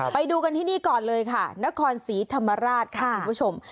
ไปดูกันที่นี่ก่อนเลยค่ะนครศรีธรรมราชค่ะคุณผู้ชม